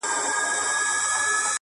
د يوسف عليه السلام وروڼو هم تمثيل وکړ.